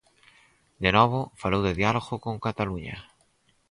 De novo, falou de diálogo con Cataluña.